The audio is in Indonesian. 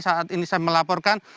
saat ini saya melaporkan